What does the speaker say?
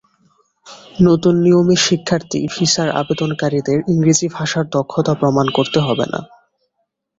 নতুন নিয়মে শিক্ষার্থী ভিসার আবেদনকারীদের ইংরেজি ভাষার দক্ষতা প্রমাণ করতে হবে না।